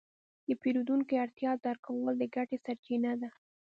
د پیرودونکي اړتیا درک کول د ګټې سرچینه ده.